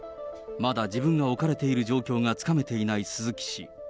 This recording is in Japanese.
まだ自分が置かれている状況がつかめていない鈴木氏。